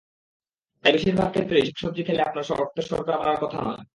তাই বেশির ভাগ ক্ষেত্রেই শাকসবজি খেলে আপনার রক্তের শর্করা বাড়ার কথা নয়।